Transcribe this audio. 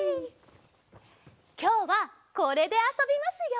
きょうはこれであそびますよ。